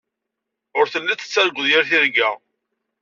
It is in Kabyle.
Ur telliḍ tettarguḍ yir tirga.